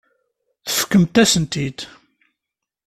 Tefkamt-asen-t-id.